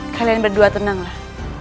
kalian berdua tenanglah